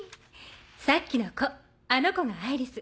さっきの子あの子がアイリス。